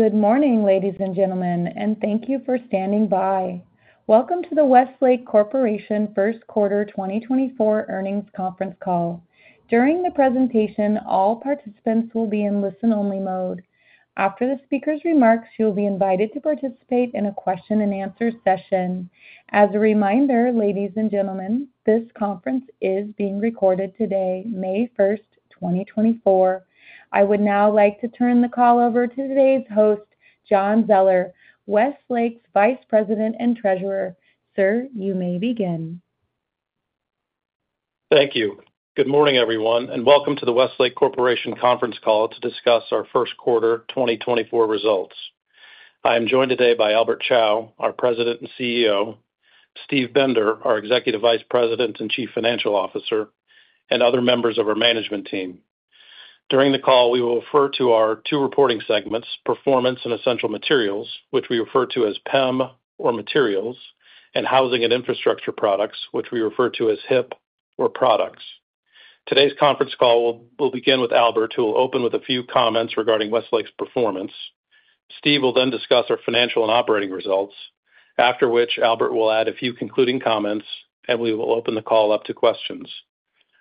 Good morning, ladies and gentlemen, and thank you for standing by. Welcome to the Westlake Corporation First Quarter 2024 Earnings Conference Call. During the presentation, all participants will be in listen-only mode. After the speaker's remarks, you'll be invited to participate in a question-and-answer session. As a reminder, ladies and gentlemen, this conference is being recorded today, May 1st, 2024. I would now like to turn the call over to today's host, John Zoeller, Westlake's Vice President and Treasurer. Sir, you may begin. Thank you. Good morning, everyone, and welcome to the Westlake Corporation conference call to discuss our first quarter 2024 results. I am joined today by Albert Chao, our President and CEO, Steve Bender, our Executive Vice President and Chief Financial Officer, and other members of our management team. During the call, we will refer to our two reporting segments, Performance and Essential Materials, which we refer to as PEM or Materials, and Housing and Infrastructure Products, which we refer to as HIP or Products. Today's conference call will begin with Albert, who will open with a few comments regarding Westlake's performance. Steve will then discuss our financial and operating results, after which Albert will add a few concluding comments, and we will open the call up to questions.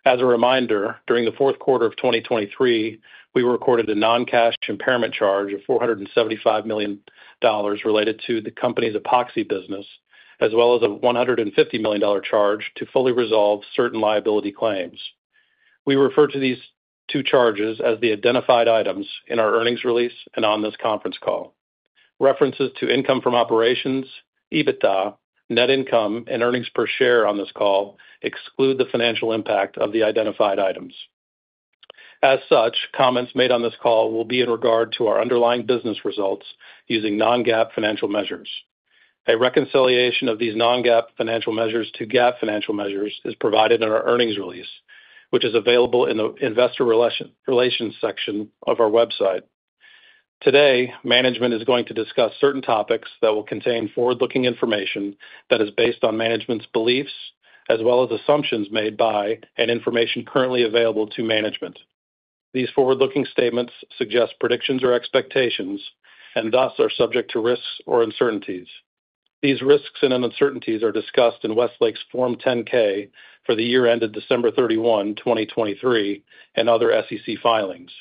As a reminder, during the fourth quarter of 2023, we recorded a non-cash impairment charge of $475 million related to the company's Epoxy business, as well as a $150 million charge to fully resolve certain liability claims. We refer to these two charges as the identified items in our earnings release and on this conference call. References to income from operations, EBITDA, net income, and earnings per share on this call exclude the financial impact of the identified items. As such, comments made on this call will be in regard to our underlying business results using non-GAAP financial measures. A reconciliation of these non-GAAP financial measures to GAAP financial measures is provided in our earnings release, which is available in the Investor Relations section of our website. Today, management is going to discuss certain topics that will contain forward-looking information that is based on management's beliefs, as well as assumptions made by and information currently available to management. These forward-looking statements suggest predictions or expectations, and thus are subject to risks or uncertainties. These risks and uncertainties are discussed in Westlake's Form 10-K for the year ended December 31, 2023, and other SEC filings.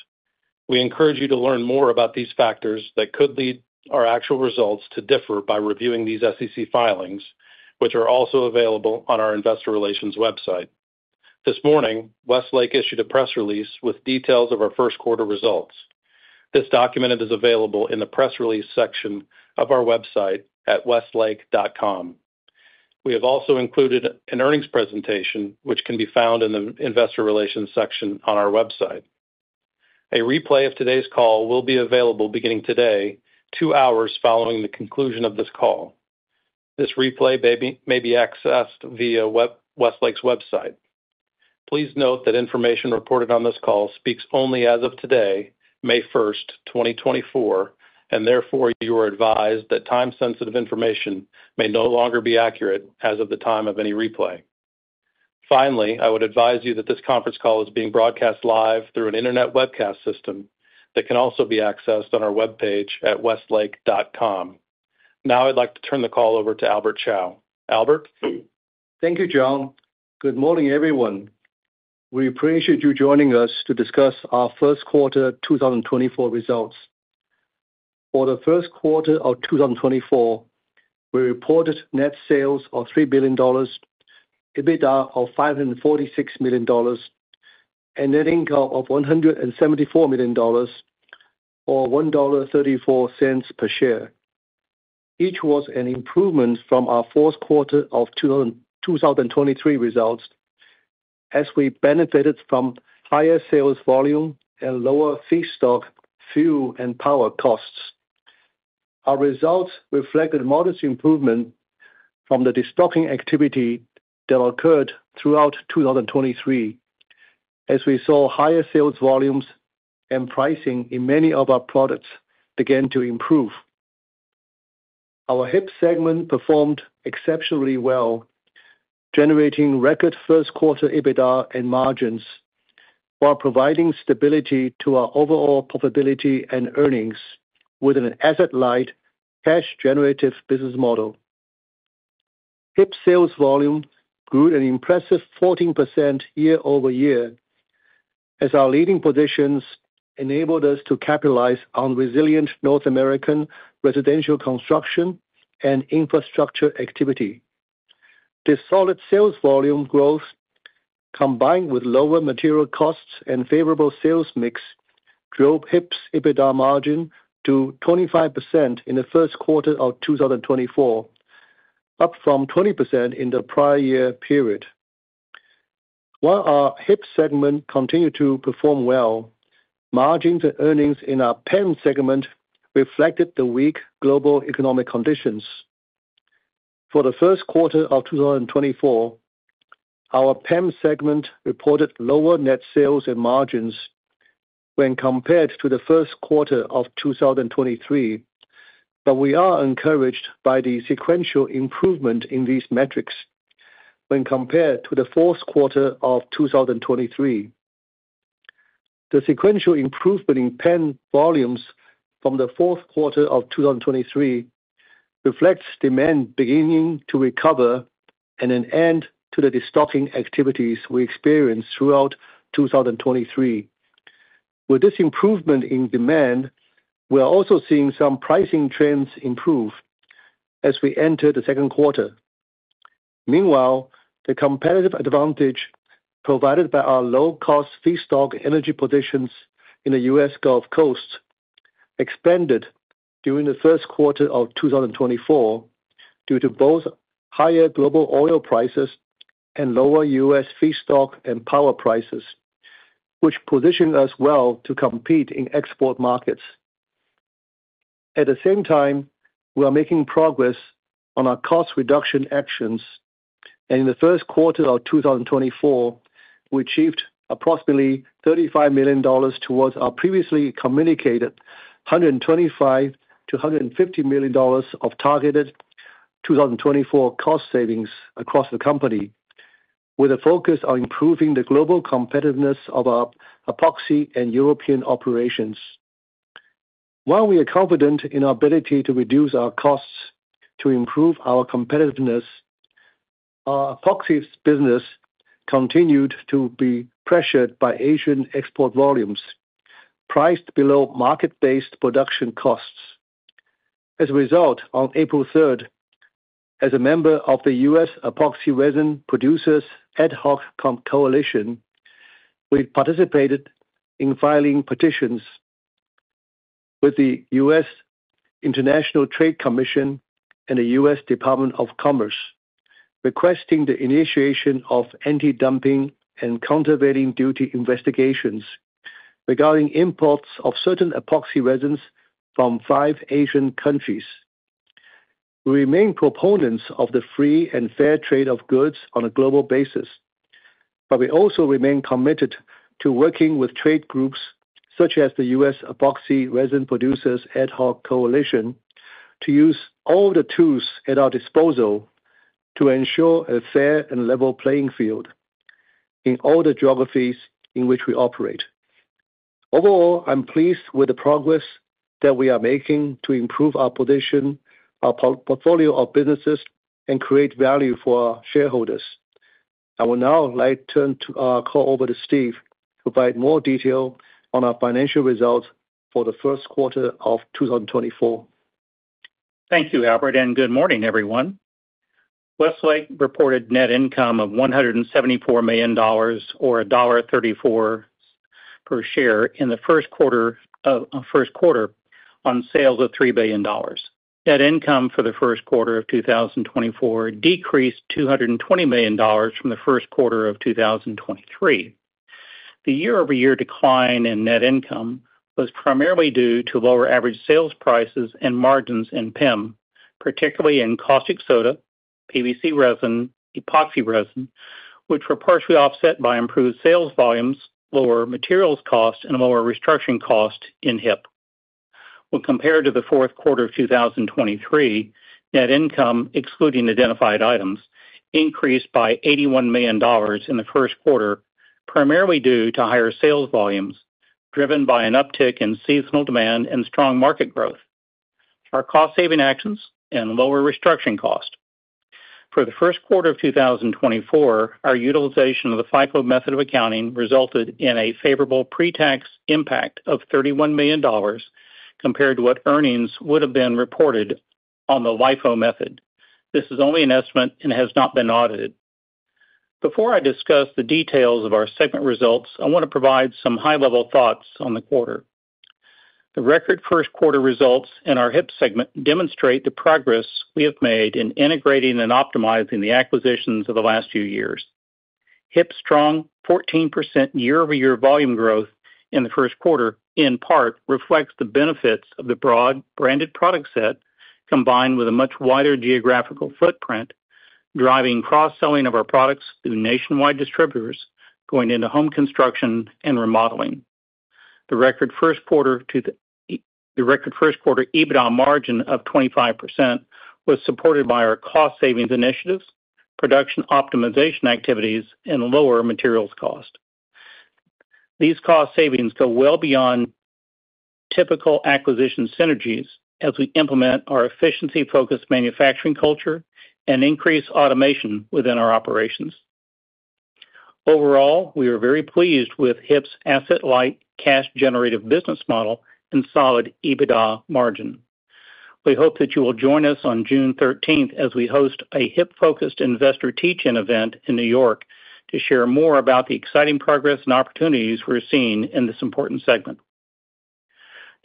We encourage you to learn more about these factors that could lead our actual results to differ by reviewing these SEC filings, which are also available on our investor relations website. This morning, Westlake issued a press release with details of our first quarter results. This document is available in the press release section of our website at westlake.com. We have also included an earnings presentation, which can be found in the Investor Relations section on our website. A replay of today's call will be available beginning today, two hours following the conclusion of this call. This replay may be accessed via Westlake's website. Please note that information reported on this call speaks only as of today, May 1st, 2024, and therefore, you are advised that time-sensitive information may no longer be accurate as of the time of any replay. Finally, I would advise you that this conference call is being broadcast live through an internet webcast system that can also be accessed on our webpage at westlake.com. Now, I'd like to turn the call over to Albert Chao. Albert? Thank you, John. Good morning, everyone. We appreciate you joining us to discuss our first quarter 2024 results. For the first quarter of 2024, we reported net sales of $3 billion, EBITDA of $546 million, and net income of $174 million, or $1.34 per share. Each was an improvement from our fourth quarter of 2023 results, as we benefited from higher sales volume and lower feedstock, fuel, and power costs. Our results reflected modest improvement from the destocking activity that occurred throughout 2023, as we saw higher sales volumes and pricing in many of our products begin to improve. Our HIP segment performed exceptionally well, generating record first quarter EBITDA and margins, while providing stability to our overall profitability and earnings with an asset-light, cash-generative business model. HIP sales volume grew an impressive 14% year-over-year, as our leading positions enabled us to capitalize on resilient North American residential construction and infrastructure activity. This solid sales volume growth, combined with lower material costs and favorable sales mix, drove HIP's EBITDA margin to 25% in the first quarter of 2024, up from 20% in the prior year period. While our HIP segment continued to perform well, margins and earnings in our PEM segment reflected the weak global economic conditions. For the first quarter of 2024, our PEM segment reported lower net sales and margins when compared to the first quarter of 2023, but we are encouraged by the sequential improvement in these metrics when compared to the fourth quarter of 2023. The sequential improvement in PEM volumes from the fourth quarter of 2023 reflects demand beginning to recover and an end to the destocking activities we experienced throughout 2023. With this improvement in demand, we are also seeing some pricing trends improve as we enter the second quarter. Meanwhile, the competitive advantage provided by our low-cost feedstock energy positions in the U.S. Gulf Coast expanded during the first quarter of 2024, due to both higher global oil prices and lower U.S. feedstock and power prices, which positioned us well to compete in export markets. At the same time, we are making progress on our cost reduction actions, and in the first quarter of 2024, we achieved approximately $35 million towards our previously communicated $125 million-$150 million of targeted 2024 cost savings across the company, with a focus on improving the global competitiveness of our epoxy and European operations. While we are confident in our ability to reduce our costs to improve our competitiveness, our epoxies business continued to be pressured by Asian export volumes, priced below market-based production costs. As a result, on April 3rd, as a member of the U.S. Epoxy Resin Producers Ad Hoc Coalition, we participated in filing petitions with the U.S. International Trade Commission and the U.S. Department of Commerce, requesting the initiation of antidumping and countervailing duty investigations regarding imports of certain epoxy resins from five Asian countries. We remain proponents of the free and fair trade of goods on a global basis, but we also remain committed to working with trade groups such as the U.S. Epoxy Resin Producers Ad Hoc Coalition, to use all the tools at our disposal to ensure a fair and level playing field in all the geographies in which we operate. Overall, I'm pleased with the progress that we are making to improve our position, our portfolio of businesses, and create value for our shareholders. I would now like to turn to, call over to Steve to provide more detail on our financial results for the first quarter of 2024. Thank you, Albert, and good morning, everyone. Westlake reported net income of $174 million or $1.34 per share in the first quarter on sales of $3 billion. Net income for the first quarter of 2024 decreased $220 million from the first quarter of 2023. The year-over-year decline in net income was primarily due to lower average sales prices and margins in PEM, particularly in caustic soda, PVC resin, epoxy resin, which were partially offset by improved sales volumes, lower materials cost, and lower restructuring cost in HIP. When compared to the fourth quarter of 2023, net income, excluding identified items, increased by $81 million in the first quarter, primarily due to higher sales volumes, driven by an uptick in seasonal demand and strong market growth, our cost-saving actions, and lower restructuring cost. For the first quarter of 2024, our utilization of the FIFO method of accounting resulted in a favorable pre-tax impact of $31 million compared to what earnings would have been reported on the LIFO method. This is only an estimate and has not been audited. Before I discuss the details of our segment results, I want to provide some high-level thoughts on the quarter. The record first quarter results in our HIP segment demonstrate the progress we have made in integrating and optimizing the acquisitions of the last few years. HIP's strong 14% year-over-year volume growth in the first quarter, in part, reflects the benefits of the broad branded product set, combined with a much wider geographical footprint, driving cross-selling of our products through nationwide distributors, going into home construction and remodeling. The record first quarter EBITDA margin of 25% was supported by our cost savings initiatives, production optimization activities, and lower materials cost. These cost savings go well beyond typical acquisition synergies as we implement our efficiency-focused manufacturing culture and increase automation within our operations. Overall, we are very pleased with HIP's asset light, cash generative business model and solid EBITDA margin. We hope that you will join us on June 13th as we host a HIP-focused investor teach-in event in New York to share more about the exciting progress and opportunities we're seeing in this important segment.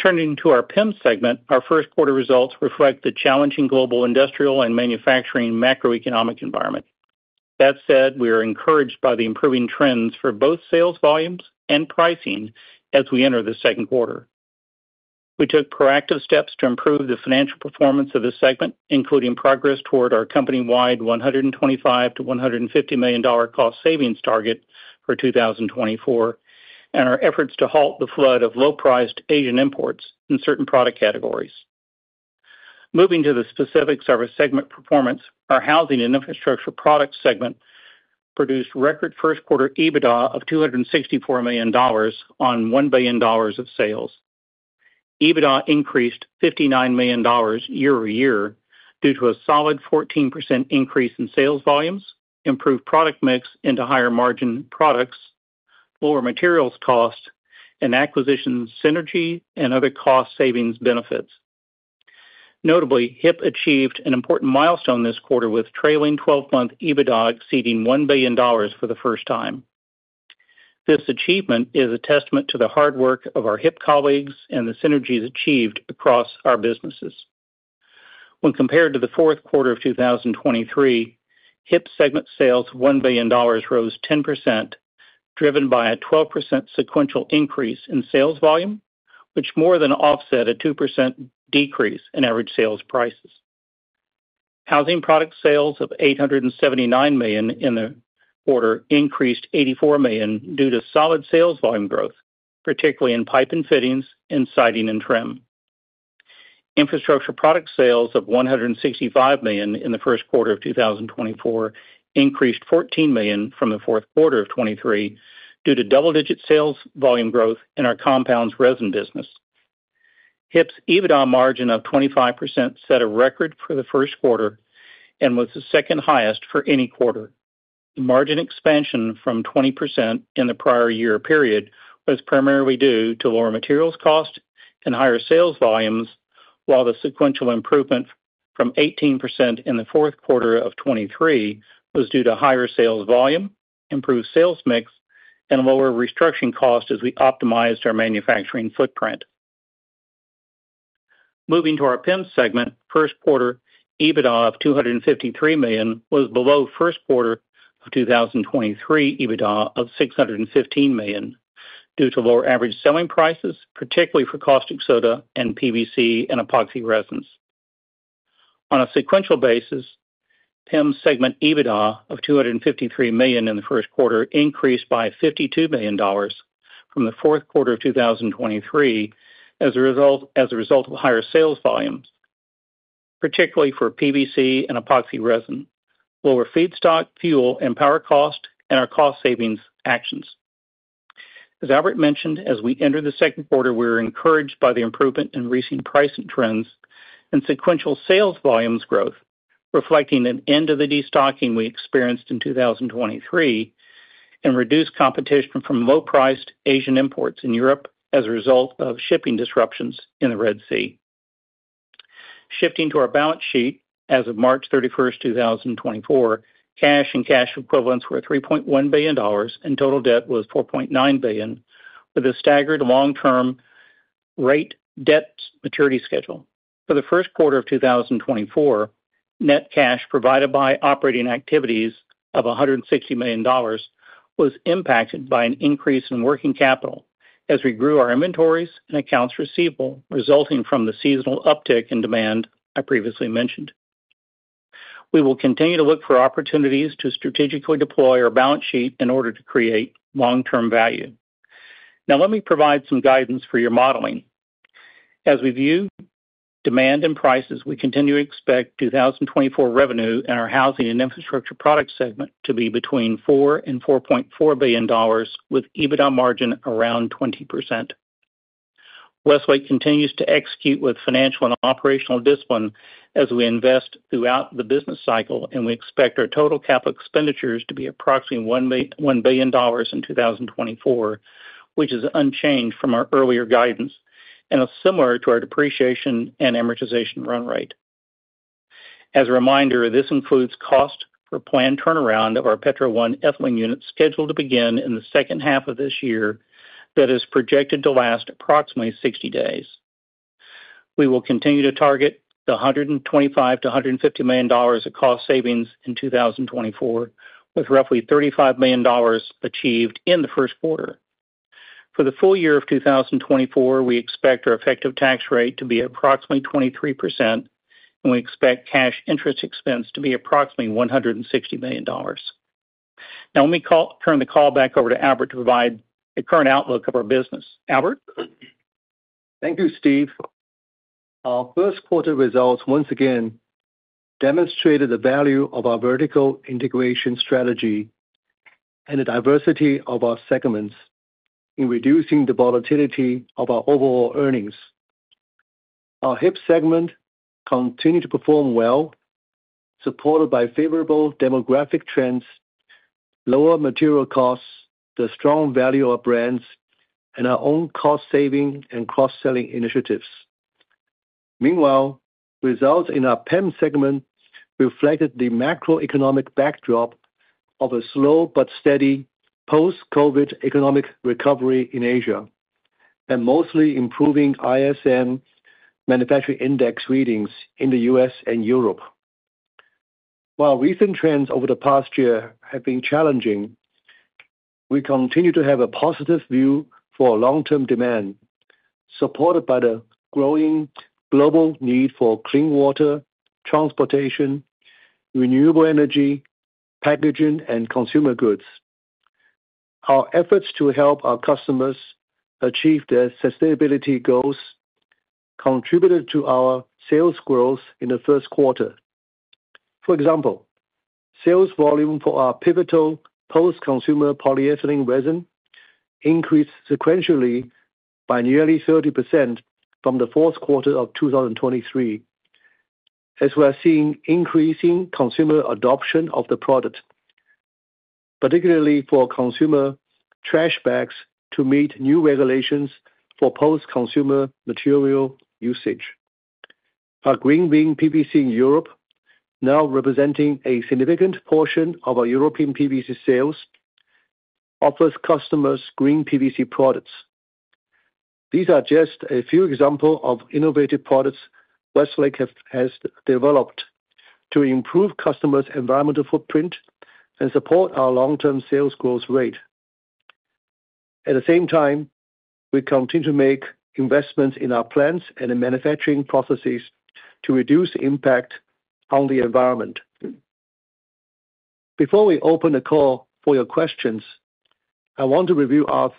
Turning to our PEM segment, our first quarter results reflect the challenging global industrial and manufacturing macroeconomic environment. That said, we are encouraged by the improving trends for both sales volumes and pricing as we enter the second quarter. We took proactive steps to improve the financial performance of this segment, including progress toward our company-wide $125 million-$150 million cost savings target for 2024, and our efforts to halt the flood of low-priced Asian imports in certain product categories.... Moving to the specifics of our segment performance, our housing and infrastructure products segment produced record first quarter EBITDA of $264 million on $1 billion of sales. EBITDA increased $59 million year over year due to a solid 14% increase in sales volumes, improved product mix into higher margin products, lower materials cost, and acquisition synergy and other cost savings benefits. Notably, HIP achieved an important milestone this quarter with trailing 12-month EBITDA exceeding $1 billion for the first time. This achievement is a testament to the hard work of our HIP colleagues and the synergies achieved across our businesses. When compared to the fourth quarter of 2023, HIP segment sales of $1 billion rose 10%, driven by a 12% sequential increase in sales volume, which more than offset a 2% decrease in average sales prices. Housing product sales of $879 million in the quarter increased $84 million due to solid sales volume growth, particularly in pipe and fittings and siding and trim. Infrastructure product sales of $165 million in the first quarter of 2024 increased $14 million from the fourth quarter of 2023 due to double-digit sales volume growth in our compounds resin business. HIP's EBITDA margin of 25% set a record for the first quarter and was the second highest for any quarter. Margin expansion from 20% in the prior year period was primarily due to lower materials cost and higher sales volumes, while the sequential improvement from 18% in the fourth quarter of 2023 was due to higher sales volume, improved sales mix, and lower restructuring costs as we optimized our manufacturing footprint. Moving to our PEM segment, first quarter EBITDA of $253 million was below first quarter of 2023 EBITDA of $615 million, due to lower average selling prices, particularly for caustic soda and PVC and epoxy resins. On a sequential basis, PEM segment EBITDA of $253 million in the first quarter increased by $52 million from the fourth quarter of 2023 as a result, as a result of higher sales volumes, particularly for PVC and epoxy resin, lower feedstock, fuel, and power cost, and our cost savings actions. As Albert mentioned, as we enter the second quarter, we are encouraged by the improvement in recent pricing trends and sequential sales volumes growth, reflecting an end of the destocking we experienced in 2023, and reduced competition from low-priced Asian imports in Europe as a result of shipping disruptions in the Red Sea. Shifting to our balance sheet as of March 31st, 2024, cash and cash equivalents were $3.1 billion, and total debt was $4.9 billion, with a staggered long-term rate debt maturity schedule. For the first quarter of 2024, net cash provided by operating activities of $160 million was impacted by an increase in working capital as we grew our inventories and accounts receivable, resulting from the seasonal uptick in demand I previously mentioned. We will continue to look for opportunities to strategically deploy our balance sheet in order to create long-term value. Now, let me provide some guidance for your modeling. As we view demand and prices, we continue to expect 2024 revenue in our housing and infrastructure products segment to be between $4 billion and $4.4 billion, with EBITDA margin around 20%. Westlake continues to execute with financial and operational discipline as we invest throughout the business cycle, and we expect our total capital expenditures to be approximately $1 billion in 2024, which is unchanged from our earlier guidance and is similar to our depreciation and amortization run rate. As a reminder, this includes cost for planned turnaround of our Petro 1 ethylene unit, scheduled to begin in the second half of this year, that is projected to last approximately 60 days. We will continue to target the $125 million-$150 million of cost savings in 2024, with roughly $35 million achieved in the first quarter. For the full year of 2024, we expect our effective tax rate to be approximately 23%, and we expect cash interest expense to be approximately $160 million. Now, let me turn the call back over to Albert to provide a current outlook of our business. Albert? Thank you, Steve. Our first quarter results once again demonstrated the value of our vertical integration strategy and the diversity of our segments in reducing the volatility of our overall earnings. Our HIP segment continued to perform well, supported by favorable demographic trends, lower material costs, the strong value of our brands, and our own cost-saving and cross-selling initiatives. Meanwhile, results in our PEM segment reflected the macroeconomic backdrop of a slow but steady post-COVID economic recovery in Asia and mostly improving ISM Manufacturing Index readings in the U.S. and Europe. While recent trends over the past year have been challenging, we continue to have a positive view for long-term demand, supported by the growing global need for clean water, transportation, renewable energy, packaging, and consumer goods... Our efforts to help our customers achieve their sustainability goals contributed to our sales growth in the first quarter. For example, sales volume for our Pivotal post-consumer polyethylene resin increased sequentially by nearly 30% from the fourth quarter of 2023, as we are seeing increasing consumer adoption of the product, particularly for consumer trash bags, to meet new regulations for post-consumer material usage. Our GreenVin PVC in Europe, now representing a significant portion of our European PVC sales, offers customers green PVC products. These are just a few example of innovative products Westlake have, has developed to improve customers' environmental footprint and support our long-term sales growth rate. At the same time, we continue to make investments in our plants and in manufacturing processes to reduce the impact on the environment. Before we open the call for your questions, I want to review our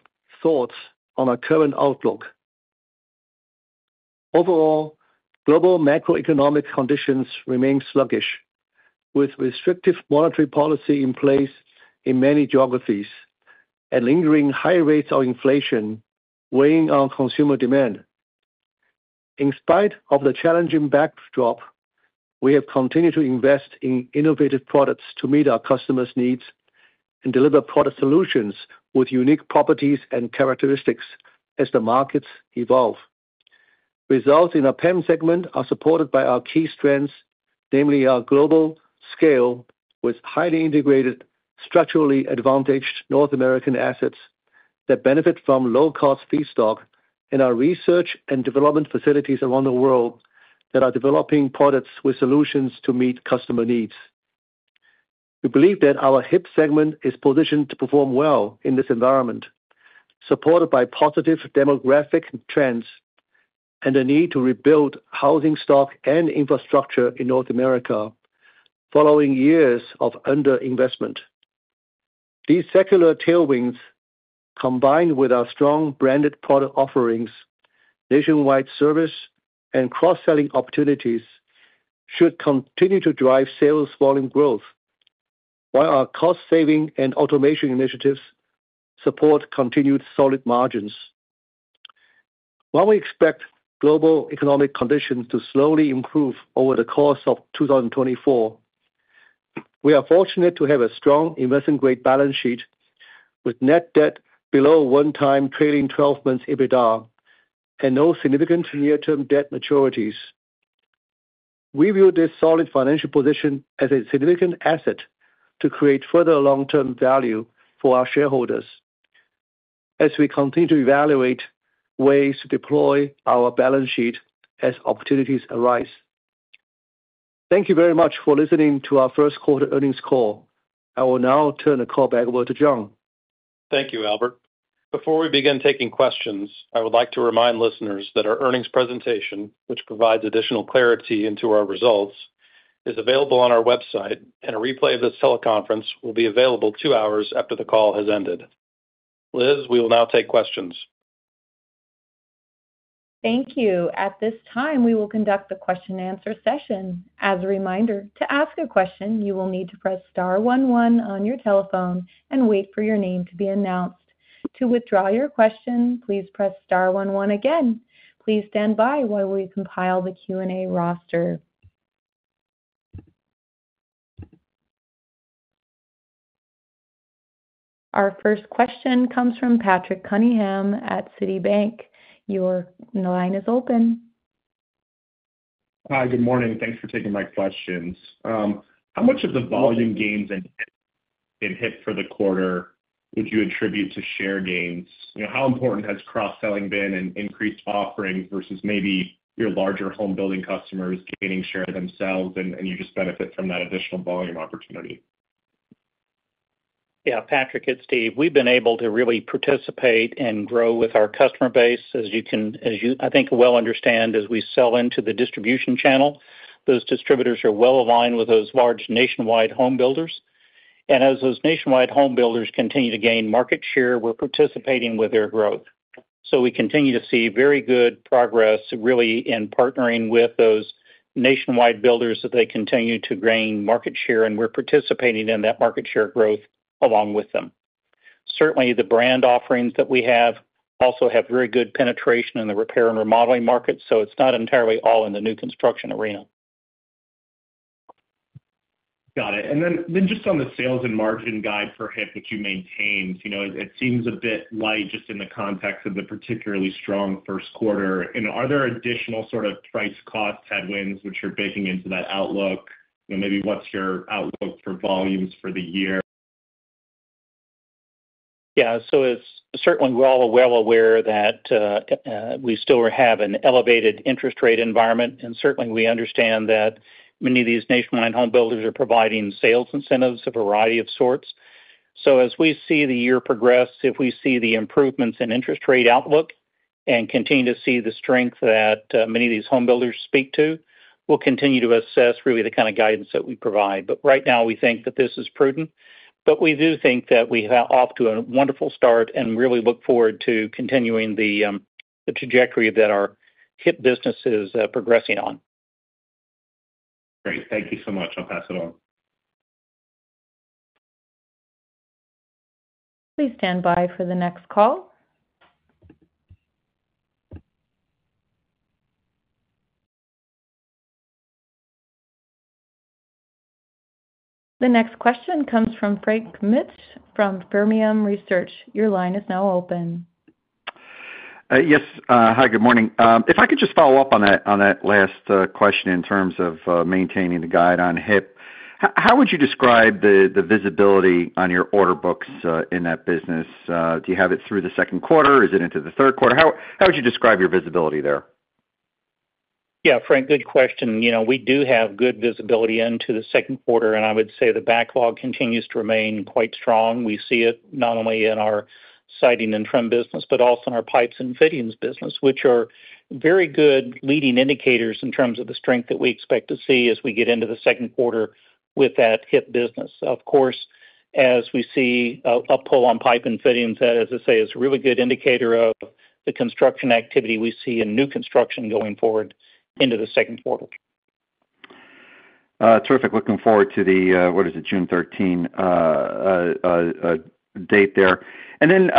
thoughts on our current outlook. Overall, global macroeconomic conditions remain sluggish, with restrictive monetary policy in place in many geographies and lingering high rates of inflation weighing on consumer demand. In spite of the challenging backdrop, we have continued to invest in innovative products to meet our customers' needs and deliver product solutions with unique properties and characteristics as the markets evolve. Results in our PEM segment are supported by our key strengths, namely our global scale, with highly integrated, structurally advantaged North American assets that benefit from low-cost feedstock and our research and development facilities around the world that are developing products with solutions to meet customer needs. We believe that our HIP segment is positioned to perform well in this environment, supported by positive demographic trends and the need to rebuild housing stock and infrastructure in North America following years of underinvestment. These secular tailwinds, combined with our strong branded product offerings, nationwide service, and cross-selling opportunities, should continue to drive sales volume growth, while our cost saving and automation initiatives support continued solid margins. While we expect global economic conditions to slowly improve over the course of 2024, we are fortunate to have a strong investment-grade balance sheet with net debt below 1x trailing 12 months EBITDA and no significant near-term debt maturities. We view this solid financial position as a significant asset to create further long-term value for our shareholders as we continue to evaluate ways to deploy our balance sheet as opportunities arise. Thank you very much for listening to our first quarter earnings call. I will now turn the call back over to John. Thank you, Albert. Before we begin taking questions, I would like to remind listeners that our earnings presentation, which provides additional clarity into our results, is available on our website, and a replay of this teleconference will be available two hours after the call has ended. Liz, we will now take questions. Thank you. At this time, we will conduct a question-and-answer session. As a reminder, to ask a question, you will need to press star one one on your telephone and wait for your name to be announced. To withdraw your question, please press star one one again. Please stand by while we compile the Q&A roster. Our first question comes from Patrick Cunningham at Citibank. Your line is open. Hi, good morning. Thanks for taking my questions. How much of the volume gains in HIP for the quarter would you attribute to share gains? You know, how important has cross-selling been and increased offerings versus maybe your larger home building customers gaining share themselves and you just benefit from that additional volume opportunity? Yeah, Patrick, it's Steve. We've been able to really participate and grow with our customer base. As you, I think, well understand, as we sell into the distribution channel, those distributors are well aligned with those large nationwide home builders. As those nationwide home builders continue to gain market share, we're participating with their growth. We continue to see very good progress, really, in partnering with those nationwide builders as they continue to gain market share, and we're participating in that market share growth along with them. Certainly, the brand offerings that we have also have very good penetration in the repair and remodeling market, so it's not entirely all in the new construction arena. Got it. Then just on the sales and margin guide for HIP that you maintained, you know, it seems a bit light just in the context of the particularly strong first quarter. And are there additional sort of price-cost headwinds which are baking into that outlook? You know, maybe what's your outlook for volumes for the year? Yeah. So it's certainly we're all well aware that we still have an elevated interest rate environment, and certainly we understand that many of these nationwide home builders are providing sales incentives, a variety of sorts. So as we see the year progress, if we see the improvements in interest rate outlook and continue to see the strength that many of these homebuilders speak to, we'll continue to assess really the kind of guidance that we provide. But right now we think that this is prudent, but we do think that we have off to a wonderful start and really look forward to continuing the trajectory that our HIP business is progressing on. Great. Thank you so much. I'll pass it on. Please stand by for the next call. The next question comes from Frank Mitsch from Fermium Research. Your line is now open. Yes, hi, good morning. If I could just follow up on that, on that last question in terms of maintaining the guide on HIP. How would you describe the visibility on your order books in that business? Do you have it through the second quarter? Is it into the third quarter? How would you describe your visibility there? Yeah, Frank, good question. You know, we do have good visibility into the second quarter, and I would say the backlog continues to remain quite strong. We see it not only in our siding and trim business, but also in our pipes and fittings business, which are very good leading indicators in terms of the strength that we expect to see as we get into the second quarter with that HIP business. Of course, as we see a pull on pipes and fittings, as I say, is a really good indicator of the construction activity we see in new construction going forward into the second quarter. Terrific. Looking forward to the, what is it, June 13 date there. And then,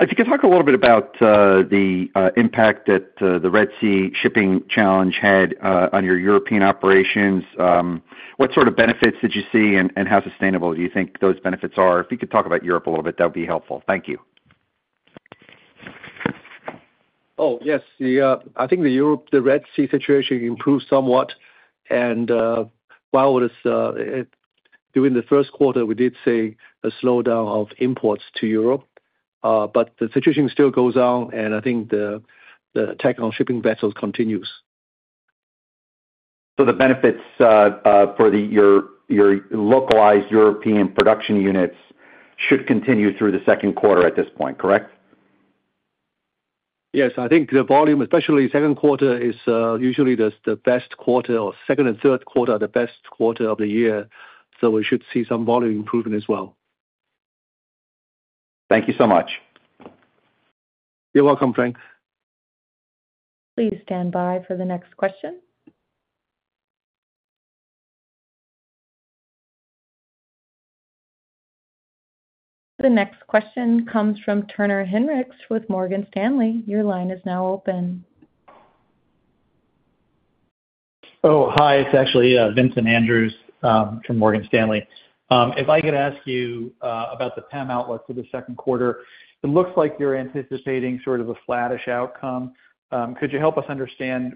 if you could talk a little bit about the impact that the Red Sea shipping challenge had on your European operations. What sort of benefits did you see and how sustainable do you think those benefits are? If you could talk about Europe a little bit, that would be helpful. Thank you. Oh, yes. I think the European, the Red Sea situation improved somewhat. And while it is during the first quarter, we did see a slowdown of imports to Europe, but the situation still goes on, and I think the attack on shipping vessels continues. So the benefits for your localized European production units should continue through the second quarter at this point, correct? Yes, I think the volume, especially second quarter, is usually the best quarter, or second and third quarter, are the best quarter of the year, so we should see some volume improvement as well. Thank you so much. You're welcome, Frank. Please stand by for the next question. The next question comes from Turner Hinrichs with Morgan Stanley. Your line is now open. Oh, hi, it's actually Vincent Andrews from Morgan Stanley. If I could ask you about the PEM outlook for the second quarter. It looks like you're anticipating sort of a flattish outcome. Could you help us understand,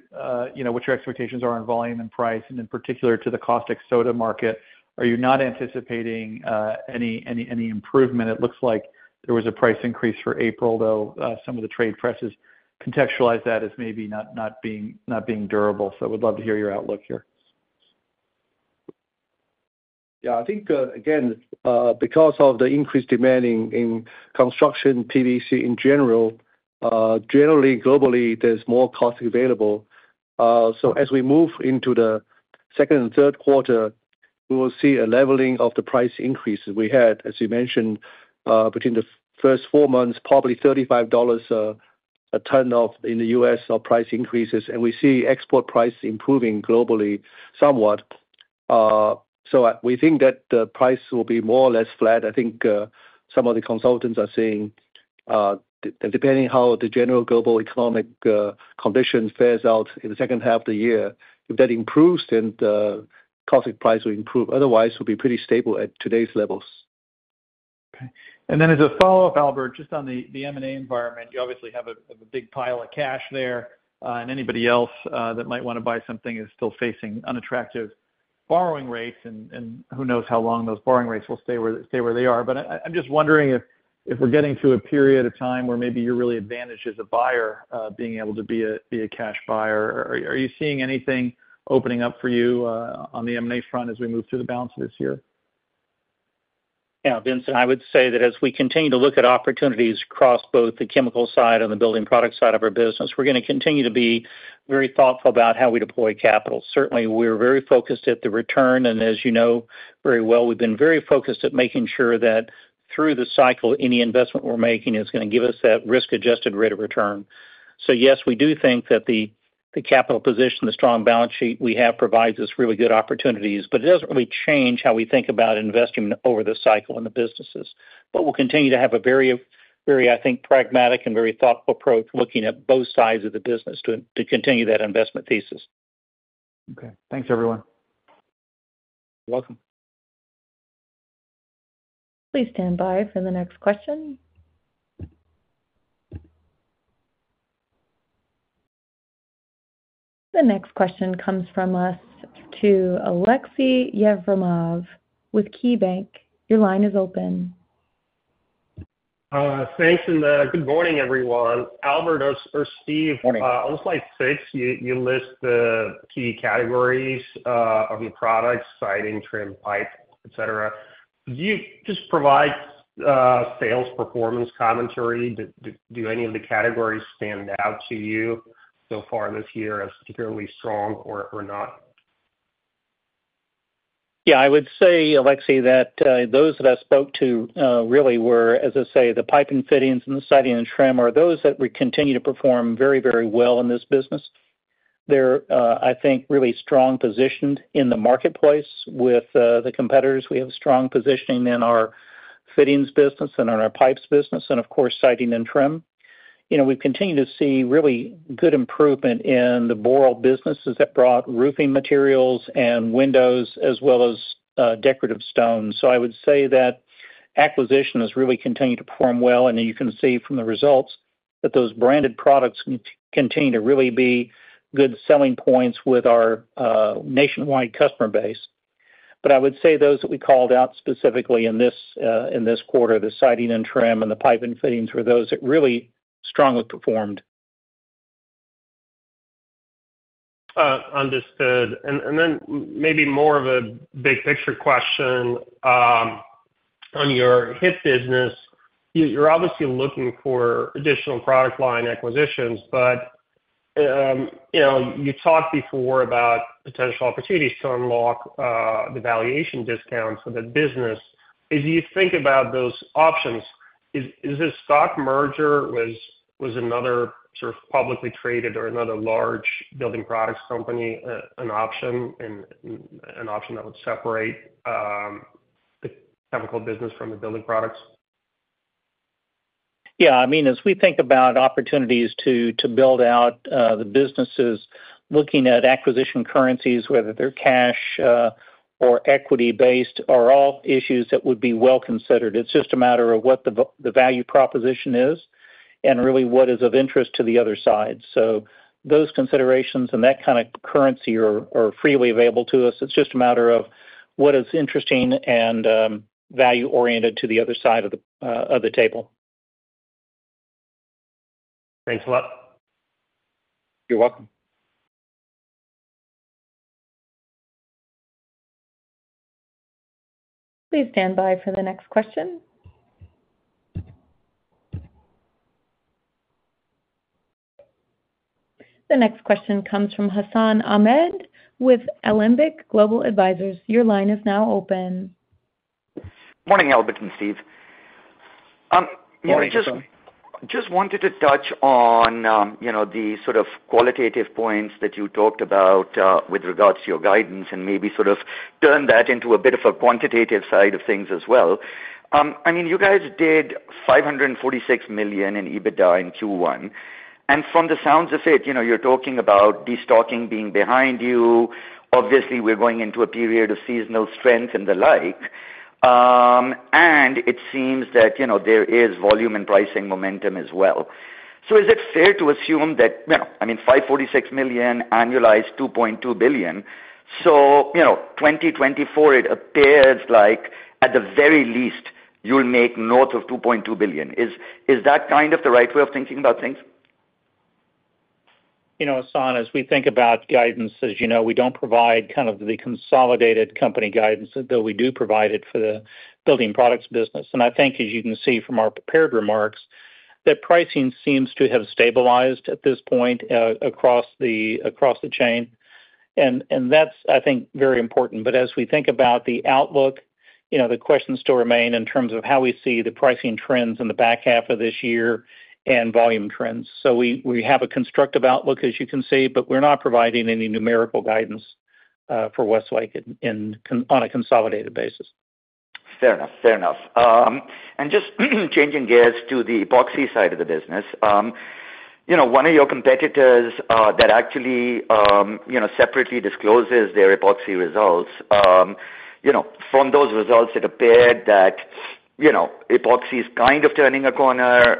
you know, what your expectations are on volume and price, and in particular, to the caustic soda market? Are you not anticipating any improvement? It looks like there was a price increase for April, though some of the trade presses contextualize that as maybe not being durable. So would love to hear your outlook here. Yeah, I think, again, because of the increased demand in construction PVC in general, generally, globally, there's more caustic available. So as we move into the second and third quarter, we will see a leveling of the price increases we had, as you mentioned, between the first four months, probably $35 a ton of in the U.S. of price increases. And we see export price improving globally, somewhat. So we think that the price will be more or less flat. I think, some of the consultants are saying, depending how the general global economic condition fares out in the second half of the year, if that improves, then the caustic price will improve. Otherwise, we'll be pretty stable at today's levels. Okay. And then as a follow-up, Albert, just on the M&A environment, you obviously have a big pile of cash there, and anybody else that might want to buy something is still facing unattractive borrowing rates, and who knows how long those borrowing rates will stay where they are. But I'm just wondering if we're getting to a period of time where maybe you're really advantaged as a buyer, being able to be a cash buyer. Are you seeing anything opening up for you on the M&A front as we move through the balance of this year? Yeah, Vincent, I would say that as we continue to look at opportunities across both the chemical side and the building product side of our business, we're gonna continue to be very thoughtful about how we deploy capital. Certainly, we're very focused at the return, and as you know very well, we've been very focused at making sure that through the cycle, any investment we're making is gonna give us that risk-adjusted rate of return. So yes, we do think that the capital position, the strong balance sheet we have, provides us really good opportunities, but it doesn't really change how we think about investing over the cycle in the businesses. But we'll continue to have a very, very, I think, pragmatic and very thoughtful approach, looking at both sides of the business to continue that investment thesis. Okay. Thanks, everyone. You're welcome. Please stand by for the next question. The next question comes from us to Aleksey Yefremov with KeyBanc. Your line is open. Thanks, and good morning, everyone. Albert or Steve- Morning. On slide six, you list the key categories of your products, siding, trim, pipe, et cetera. Could you just provide sales performance commentary? Do any of the categories stand out to you so far this year as particularly strong or not?... Yeah, I would say, Aleksey, that those that I spoke to really were, as I say, the pipe and fittings and the siding and trim are those that we continue to perform very, very well in this business. They're, I think, really strong positioned in the marketplace with the competitors. We have strong positioning in our fittings business and in our pipes business, and of course, siding and trim. You know, we've continued to see really good improvement in the Boral businesses that brought roofing materials and windows, as well as decorative stone. So I would say that acquisition has really continued to perform well, and you can see from the results that those branded products continue to really be good selling points with our nationwide customer base. I would say those that we called out specifically in this quarter, the siding and trim, and the pipe and fittings, were those that really strongly performed. Understood. Maybe more of a big picture question. On your HIP business, you're obviously looking for additional product line acquisitions, but you know, you talked before about potential opportunities to unlock the valuation discounts for the business. As you think about those options, is this stock merger with another sort of publicly traded or another large building products company an option, and an option that would separate the chemical business from the building products? Yeah, I mean, as we think about opportunities to build out the businesses, looking at acquisition currencies, whether they're cash or equity-based, are all issues that would be well considered. It's just a matter of what the value proposition is, and really, what is of interest to the other side. So those considerations and that kind of currency are freely available to us. It's just a matter of what is interesting and value-oriented to the other side of the table. Thanks a lot. You're welcome. Please stand by for the next question. The next question comes from Hassan Ahmed with Alembic Global Advisors. Your line is now open. Morning, Albert and Steve. You know- Morning, Hassan. Just wanted to touch on, you know, the sort of qualitative points that you talked about with regards to your guidance and maybe sort of turn that into a bit of a quantitative side of things as well. I mean, you guys did $546 million in EBITDA in Q1, and from the sounds of it, you know, you're talking about destocking being behind you. Obviously, we're going into a period of seasonal strength and the like. And it seems that, you know, there is volume and pricing momentum as well. So is it fair to assume that, you know, I mean, $546 million, annualized $2.2 billion, so, you know, 2024, it appears like, at the very least, you'll make north of $2.2 billion. Is that kind of the right way of thinking about things? You know, Hassan, as we think about guidance, as you know, we don't provide kind of the consolidated company guidance, though we do provide it for the building products business. I think, as you can see from our prepared remarks, that pricing seems to have stabilized at this point across the chain. And that's, I think, very important. But as we think about the outlook, you know, the questions still remain in terms of how we see the pricing trends in the back half of this year and volume trends. So we have a constructive outlook, as you can see, but we're not providing any numerical guidance for Westlake on a consolidated basis. Fair enough. Fair enough. Just changing gears to the epoxy side of the business. You know, one of your competitors, that actually, you know, separately discloses their epoxy results, you know, from those results, it appeared that, you know, epoxy is kind of turning a corner.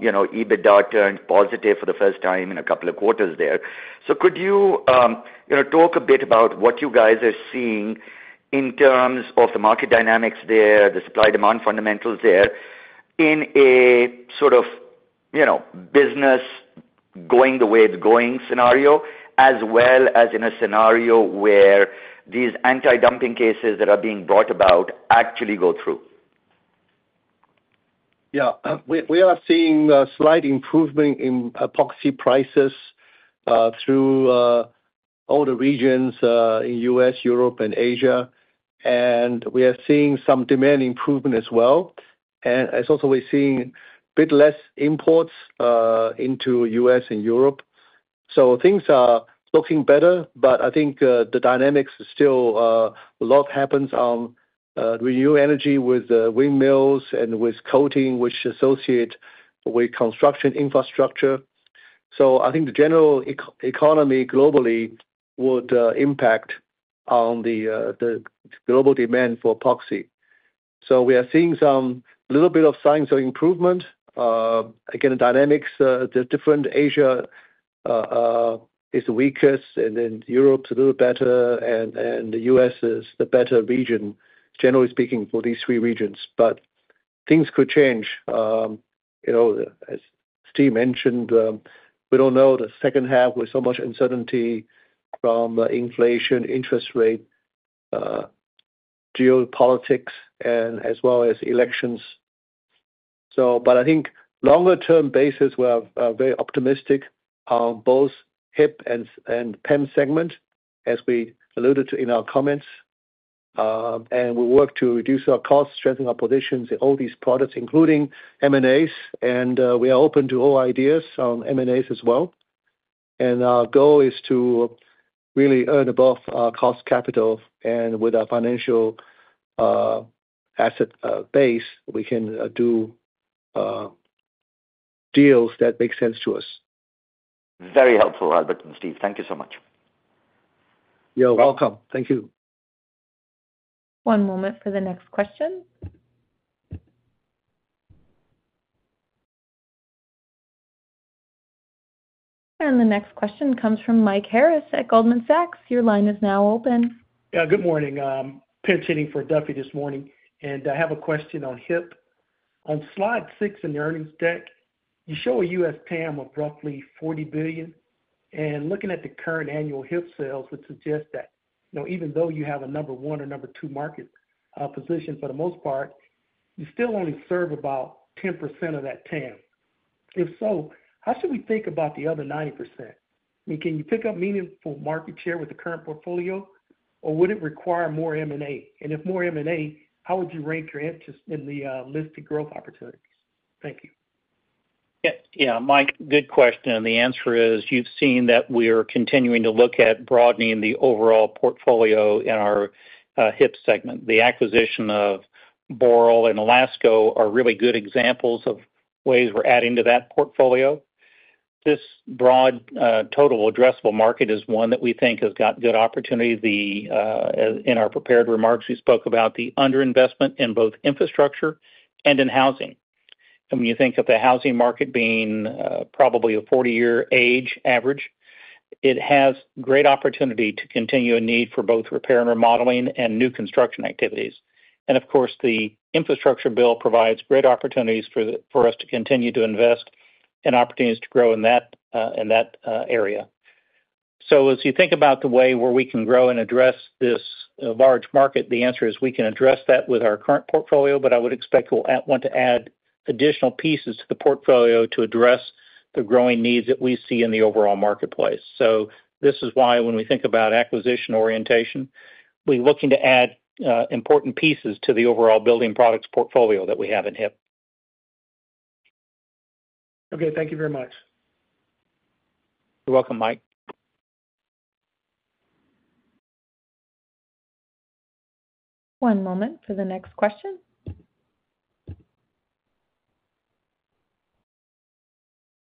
You know, EBITDA turned positive for the first time in a couple of quarters there. So could you, you know, talk a bit about what you guys are seeing in terms of the market dynamics there, the supply-demand fundamentals there, in a sort of, you know, business going the way it's going scenario, as well as in a scenario where these anti-dumping cases that are being brought about actually go through? Yeah, we are seeing a slight improvement in epoxy prices through all the regions in U.S., Europe, and Asia, and we are seeing some demand improvement as well. As also we're seeing a bit less imports into U.S. and Europe. So things are looking better, but I think the dynamics is still a lot happens on renewable energy with windmills and with coating, which associate with construction infrastructure. So I think the general economy globally would impact on the global demand for epoxy. So we are seeing some little bit of signs of improvement. Again, the dynamics, the different Asia is the weakest, and then Europe a little better, and the U.S. is the better region, generally speaking, for these three regions. But things could change. You know, as Steve mentioned, we don't know the second half with so much uncertainty from inflation, interest rate, geopolitics, and as well as elections. So, but I think longer term basis, we are very optimistic on both HIP and PEM segment, as we alluded to in our comments. And we work to reduce our costs, strengthening our positions in all these products, including M&As, and we are open to all ideas on M&As as well. And our goal is to really earn above our cost capital, and with our financial asset base, we can do deals that make sense to us. Very helpful, Albert and Steve, thank you so much. You're welcome. Thank you. One moment for the next question. The next question comes from Mike Harris at Goldman Sachs. Your line is now open. Yeah, good morning. I'm pinch hitting for Duffy this morning, and I have a question on HIP. On slide six in the earnings deck, you show a U.S. TAM of roughly $40 billion, and looking at the current annual HIP sales, which suggests that, you know, even though you have a number one or number two market position for the most part, you still only serve about 10% of that TAM. If so, how should we think about the other 90%? I mean, can you pick up meaningful market share with the current portfolio, or would it require more M&A? And if more M&A, how would you rank your interest in the listed growth opportunities? Thank you. Yeah, yeah, Mike, good question, and the answer is, you've seen that we are continuing to look at broadening the overall portfolio in our HIP segment. The acquisition of Boral and LASCO are really good examples of ways we're adding to that portfolio. This broad total addressable market is one that we think has got good opportunity. In our prepared remarks, we spoke about the underinvestment in both infrastructure and in housing. And when you think of the housing market being probably a 40-year age average, it has great opportunity to continue a need for both repair and remodeling and new construction activities. And of course, the infrastructure bill provides great opportunities for us to continue to invest and opportunities to grow in that area. So as you think about the way where we can grow and address this large market, the answer is we can address that with our current portfolio, but I would expect we'll want to add additional pieces to the portfolio to address the growing needs that we see in the overall marketplace. So this is why when we think about acquisition orientation, we're looking to add important pieces to the overall building products portfolio that we have in HIP. Okay, thank you very much. You're welcome, Mike. One moment for the next question.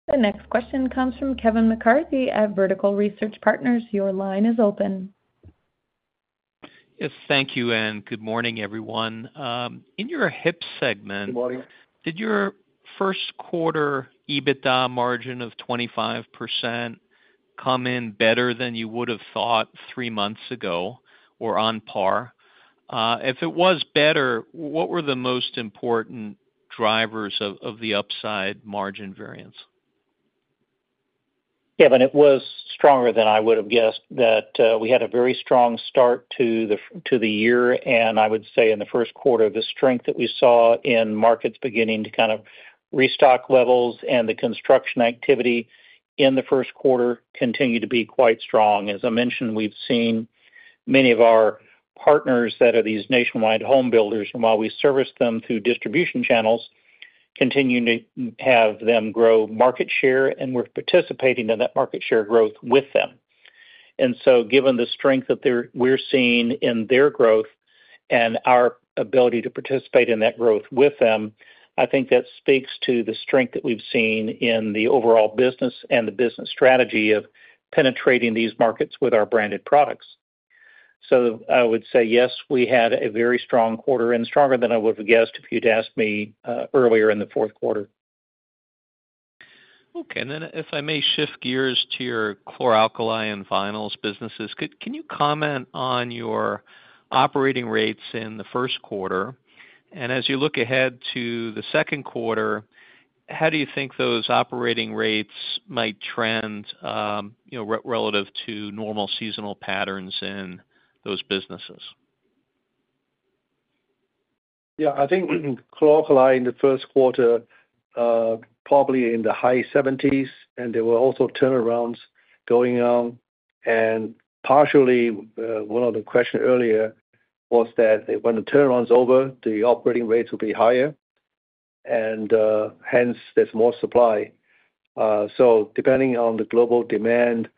The next question comes from Kevin McCarthy at Vertical Research Partners. Your line is open. Yes, thank you, and good morning, everyone. In your HIP segment- Good morning. Did your first quarter EBITDA margin of 25% come in better than you would have thought three months ago or on par? If it was better, what were the most important drivers of the upside margin variance? Kevin, it was stronger than I would have guessed that we had a very strong start to the year, and I would say in the first quarter, the strength that we saw in markets beginning to kind of restock levels and the construction activity in the first quarter continued to be quite strong. As I mentioned, we've seen many of our partners that are these nationwide home builders, and while we service them through distribution channels, continuing to have them grow market share, and we're participating in that market share growth with them. And so given the strength that we're seeing in their growth and our ability to participate in that growth with them, I think that speaks to the strength that we've seen in the overall business and the business strategy of penetrating these markets with our branded products. So I would say, yes, we had a very strong quarter and stronger than I would have guessed if you'd asked me earlier in the fourth quarter. Okay, and then if I may shift gears to your chlor-alkali and vinyls businesses, can you comment on your operating rates in the first quarter? And as you look ahead to the second quarter, how do you think those operating rates might trend, you know, relative to normal seasonal patterns in those businesses? Yeah, I think Chlor-alkali in the first quarter, probably in the high 70s, and there were also turnarounds going on. Partially, one of the question earlier was that when the turnaround's over, the operating rates will be higher and, hence there's more supply. So depending on the global demand,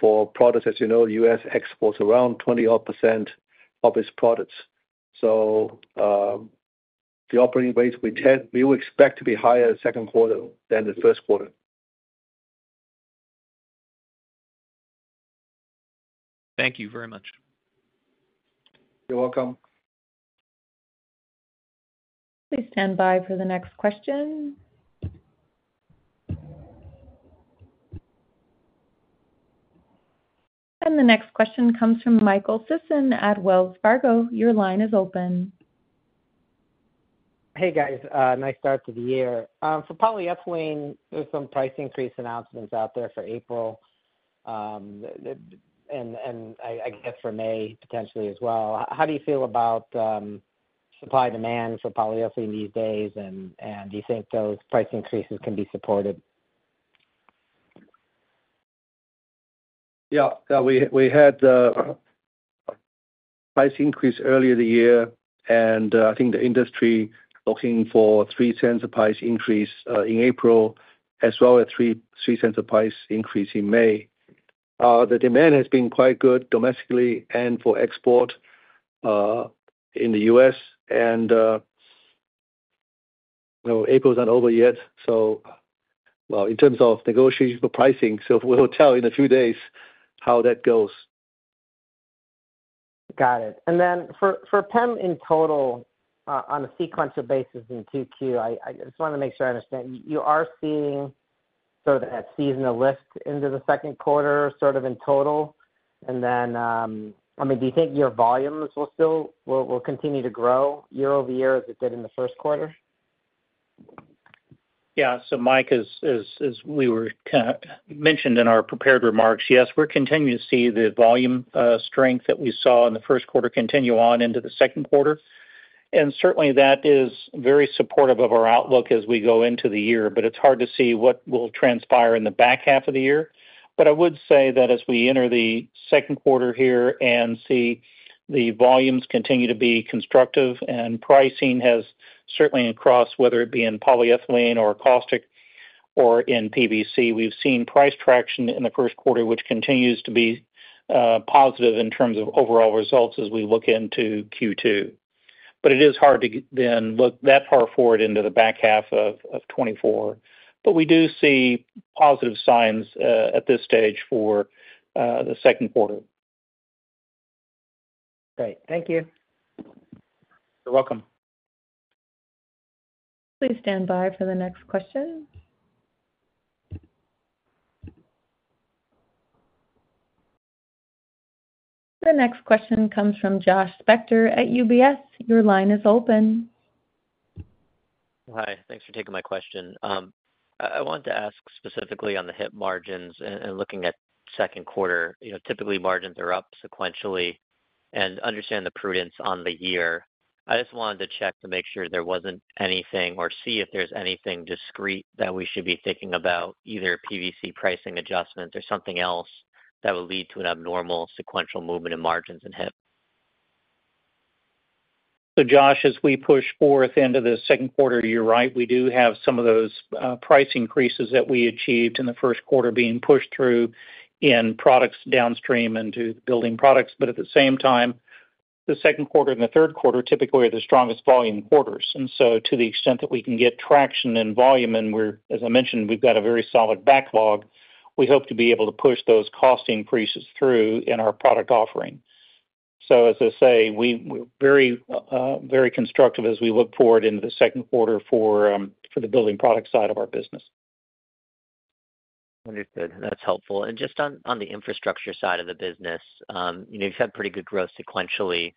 for products, as you know, U.S. exports around 20-odd% of its products. So, the operating rates we would expect to be higher second quarter than the first quarter. Thank you very much. You're welcome. Please stand by for the next question. The next question comes from Michael Sisson at Wells Fargo. Your line is open. Hey, guys, nice start to the year. For polyethylene, there's some price increase announcements out there for April.... and I guess for May potentially as well, how do you feel about supply and demand for polyethylene these days? And do you think those price increases can be supported? Yeah, yeah, we had price increase earlier this year, and I think the industry looking for a $0.03 price increase in April, as well as a $0.03 price increase in May. The demand has been quite good domestically and for export in the U.S. And well, April's not over yet, so well, in terms of negotiation for pricing, so we'll tell in a few days how that goes. Got it. And then for PEM in total, on a sequential basis in Q2, I just wanna make sure I understand. You are seeing sort of that seasonal lift into the second quarter, sort of in total? And then, I mean, do you think your volumes will still continue to grow year-over-year as it did in the first quarter? Yeah. So Mike, as we were kind of mentioned in our prepared remarks, yes, we're continuing to see the volume strength that we saw in the first quarter continue on into the second quarter. And certainly that is very supportive of our outlook as we go into the year, but it's hard to see what will transpire in the back half of the year. But I would say that as we enter the second quarter here and see the volumes continue to be constructive, and pricing has certainly across, whether it be in polyethylene or caustic or in PVC, we've seen price traction in the first quarter, which continues to be positive in terms of overall results as we look into Q2. But it is hard to then look that far forward into the back half of 2024. But we do see positive signs at this stage for the second quarter. Great. Thank you. You're welcome. Please stand by for the next question. The next question comes from Josh Spector at UBS. Your line is open. Hi, thanks for taking my question. I wanted to ask specifically on the HIP margins and, looking at second quarter, you know, typically margins are up sequentially, and understand the prudence on the year. I just wanted to check to make sure there wasn't anything or see if there's anything discrete that we should be thinking about, either PVC pricing adjustments or something else that would lead to an abnormal sequential movement in margins in HIP. So Josh, as we push forth into the second quarter, you're right, we do have some of those price increases that we achieved in the first quarter being pushed through in products downstream into building products. But at the same time, the second quarter and the third quarter typically are the strongest volume quarters. And so to the extent that we can get traction and volume, and we're, as I mentioned, we've got a very solid backlog, we hope to be able to push those cost increases through in our product offering. So as I say, we're very, very constructive as we look forward into the second quarter for the building product side of our business. Understood. That's helpful. And just on the infrastructure side of the business, you know, you've had pretty good growth sequentially,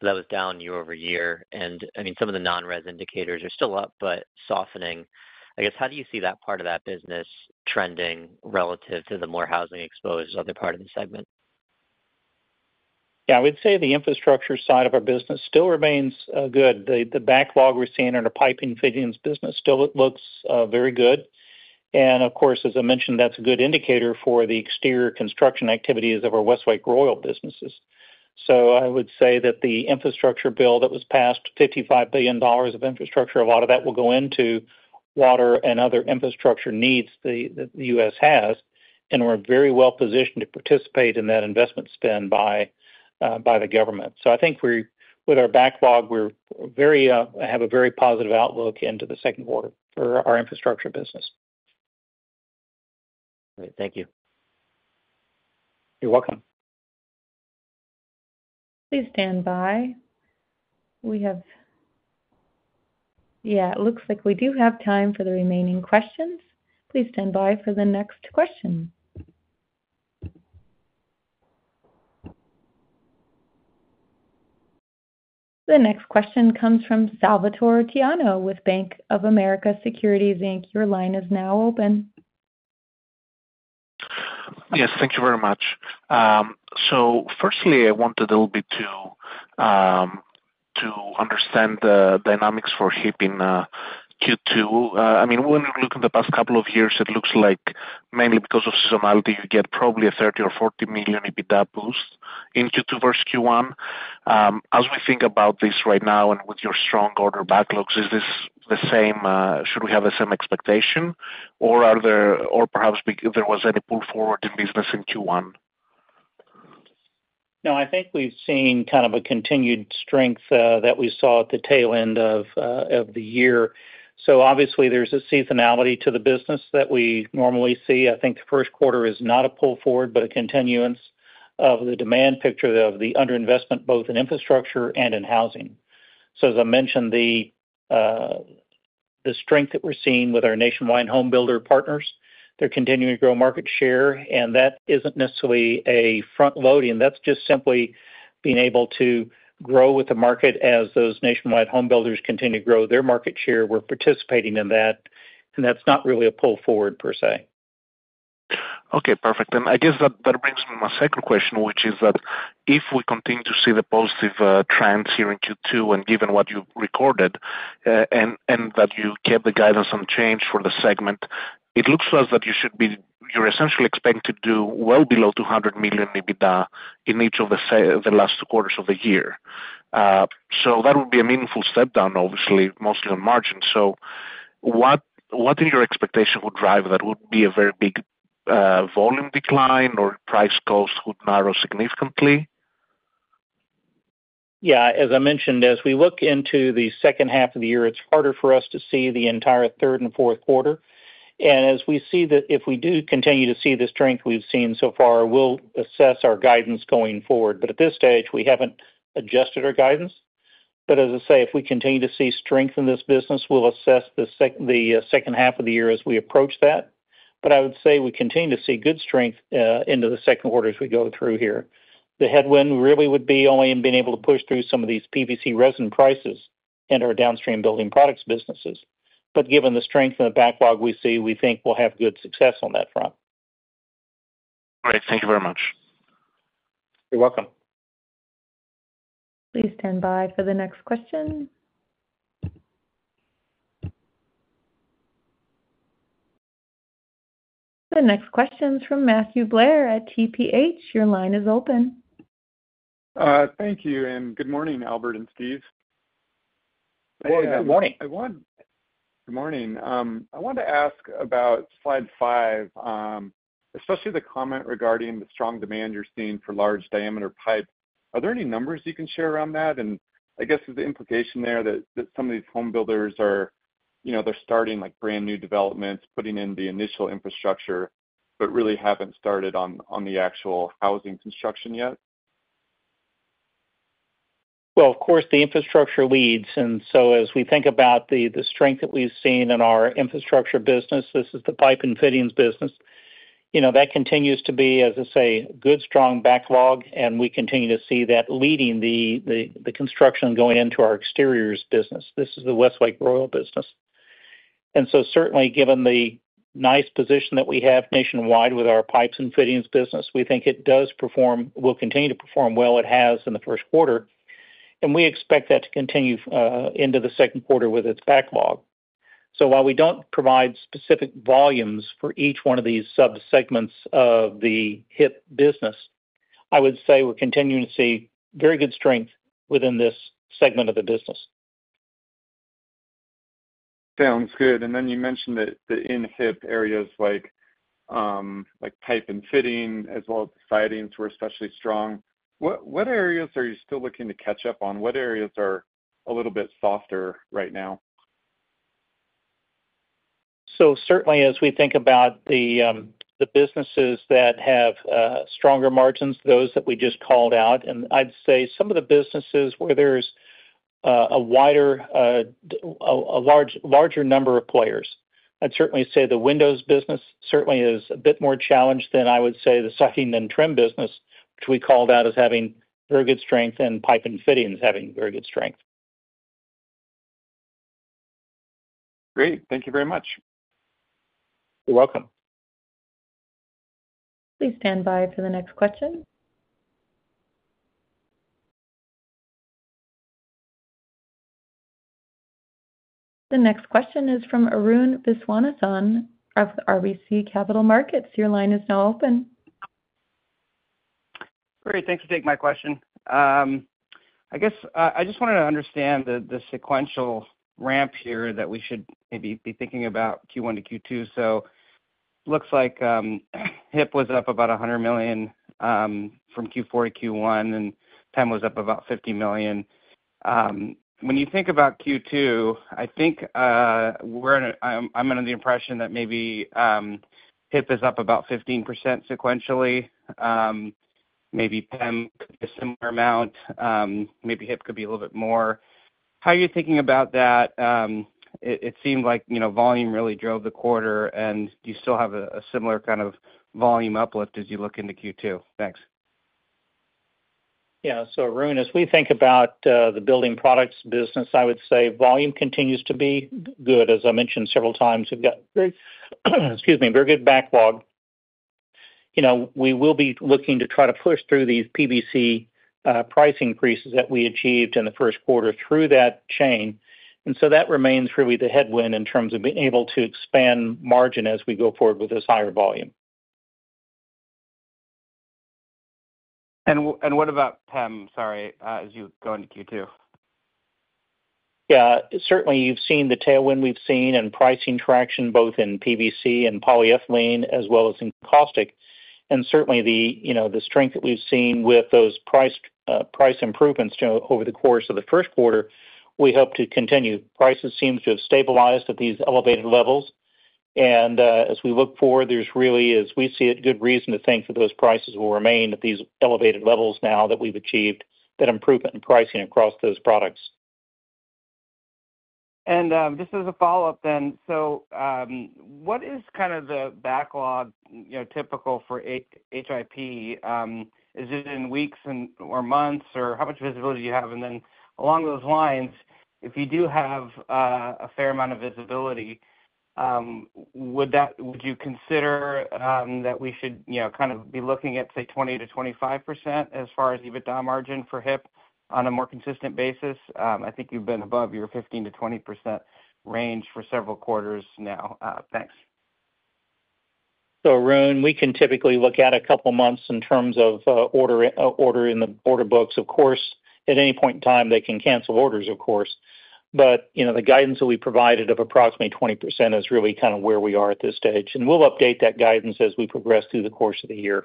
but that was down year over year, and I mean, some of the non-res indicators are still up, but softening. I guess, how do you see that part of that business trending relative to the more housing exposed other part of the segment? Yeah, I would say the infrastructure side of our business still remains good. The backlog we're seeing in our piping fittings business still looks very good. And of course, as I mentioned, that's a good indicator for the exterior construction activities of our Westlake Royal businesses. So I would say that the infrastructure bill that was passed, $55 billion of infrastructure, a lot of that will go into water and other infrastructure needs that the U.S. has, and we're very well positioned to participate in that investment spend by the government. So I think we're, with our backlog, we're very have a very positive outlook into the second quarter for our infrastructure business. Great. Thank you. You're welcome. Please stand by. We have... Yeah, it looks like we do have time for the remaining questions. Please stand by for the next question. The next question comes from Salvator Tiano with Bank of America Securities Inc. Your line is now open. Yes, thank you very much. So firstly, I wanted a little bit to understand the dynamics for HIP in Q2. I mean, when we look at the past couple of years, it looks like mainly because of seasonality, you get probably a $30 million-$40 million EBITDA boost in Q2 versus Q1. As we think about this right now and with your strong order backlogs, is this the same, should we have the same expectation, or are there, or perhaps if there was any pull forward in business in Q1? No, I think we've seen kind of a continued strength, that we saw at the tail end of, of the year. So obviously, there's a seasonality to the business that we normally see. I think the first quarter is not a pull forward, but a continuance of the demand picture of the underinvestment, both in infrastructure and in housing. So as I mentioned, the, the strength that we're seeing with our nationwide home builder partners, they're continuing to grow market share, and that isn't necessarily a front-loading. That's just simply-... being able to grow with the market as those nationwide home builders continue to grow their market share, we're participating in that, and that's not really a pull forward per se. Okay, perfect. And I guess that brings me to my second question, which is that if we continue to see the positive trends here in Q2, and given what you've recorded, and that you kept the guidance unchanged for the segment, it looks to us that you're essentially expected to do well below $200 million EBITDA in each of the last quarters of the year. So that would be a meaningful step down, obviously, mostly on margin. So what is your expectation would drive that would be a very big volume decline or price cost would narrow significantly? Yeah, as I mentioned, as we look into the second half of the year, it's harder for us to see the entire third and fourth quarter. And as we see that if we do continue to see the strength we've seen so far, we'll assess our guidance going forward. But at this stage, we haven't adjusted our guidance. But as I say, if we continue to see strength in this business, we'll assess the second half of the year as we approach that. But I would say we continue to see good strength into the second quarter as we go through here. The headwind really would be only in being able to push through some of these PVC resin prices and our downstream building products businesses. But given the strength and the backlog we see, we think we'll have good success on that front. All right. Thank you very much. You're welcome. Please stand by for the next question. The next question is from Matthew Blair at TPH. Your line is open. Thank you, and good morning, Albert and Steve. Good morning. Good morning. I wanted to ask about slide five, especially the comment regarding the strong demand you're seeing for large diameter pipe. Are there any numbers you can share around that? And I guess, is the implication there that some of these home builders are, you know, they're starting, like, brand new developments, putting in the initial infrastructure, but really haven't started on the actual housing construction yet? Well, of course, the infrastructure leads, and so as we think about the strength that we've seen in our infrastructure business, this is the pipe and fittings business, you know, that continues to be, as I say, good, strong backlog, and we continue to see that leading the construction going into our exteriors business. This is the Westlake Royal business. And so certainly, given the nice position that we have nationwide with our pipes and fittings business, we think it does perform—will continue to perform well as it has in the first quarter, and we expect that to continue into the second quarter with its backlog. So while we don't provide specific volumes for each one of these subsegments of the HIP business, I would say we're continuing to see very good strength within this segment of the business. Sounds good. And then you mentioned that in HIP areas like pipe and fitting as well as sidings were especially strong. What areas are you still looking to catch up on? What areas are a little bit softer right now? Certainly as we think about the businesses that have stronger margins, those that we just called out, and I'd say some of the businesses where there's a wider, larger number of players. I'd certainly say the windows business certainly is a bit more challenged than I would say the siding and trim business, which we called out as having very good strength and pipe and fittings having very good strength. Great. Thank you very much. You're welcome. Please stand by for the next question. The next question is from Arun Viswanathan of RBC Capital Markets. Your line is now open. Great, thanks for taking my question. I guess I just wanted to understand the sequential ramp here that we should maybe be thinking about Q1 to Q2. So looks like HIP was up about $100 million from Q4 to Q1, and PEM was up about $50 million. When you think about Q2, I think I'm under the impression that maybe HIP is up about 15% sequentially, maybe PEM a similar amount, maybe HIP could be a little bit more. How are you thinking about that? It seemed like, you know, volume really drove the quarter, and do you still have a similar kind of volume uplift as you look into Q2? Thanks. Yeah. So Arun, as we think about the building products business, I would say volume continues to be good. As I mentioned several times, we've got, excuse me, very good backlog. You know, we will be looking to try to push through these PVC price increases that we achieved in the first quarter through that chain, and so that remains really the headwind in terms of being able to expand margin as we go forward with this higher volume. What about PEM, sorry, as you go into Q2? Yeah. Certainly, you've seen the tailwind we've seen and pricing traction, both in PVC and polyethylene as well as in caustic. And certainly the, you know, the strength that we've seen with those price price improvements, you know, over the course of the first quarter, we hope to continue. Prices seem to have stabilized at these elevated levels, and, as we look forward, there's really, as we see it, good reason to think that those prices will remain at these elevated levels now that we've achieved that improvement in pricing across those products. Just as a follow-up then, so, what is kind of the backlog, you know, typical for HIP? Is it in weeks or months, or how much visibility do you have? And then along those lines, if you do have a fair amount of visibility, would you consider that we should, you know, kind of be looking at, say, 20%-25% as far as EBITDA margin for HIP on a more consistent basis? I think you've been above your 15%-20% range for several quarters now. Thanks. So Arun, we can typically look at a couple months in terms of order in the order books. Of course, at any point in time, they can cancel orders, of course, but, you know, the guidance that we provided of approximately 20% is really kind of where we are at this stage, and we'll update that guidance as we progress through the course of the year.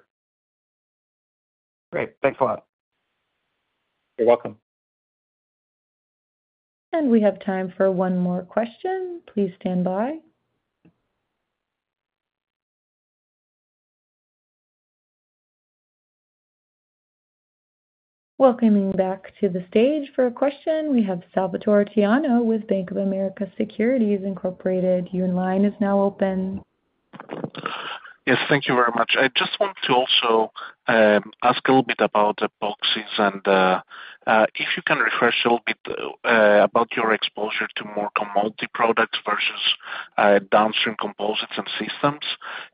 Great. Thanks a lot. You're welcome. We have time for one more question. Please stand by. Welcoming back to the stage for a question we have Salvator Tiano with Bank of America Securities Inc. Your line is now open. Yes, thank you very much. I just want to also ask a little bit about the epoxies and if you can refresh a little bit about your exposure to more commodity products versus downstream composites and systems,